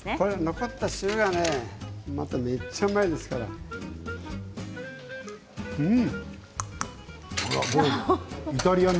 残った汁がまた、めっちゃうまいですから、うん。